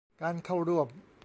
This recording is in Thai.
การเข้าร่วม